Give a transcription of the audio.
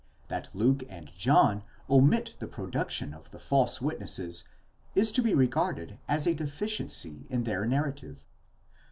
That Luke and John omit the production of the false witnesses, is to be regarded as a deficiency in their narrative.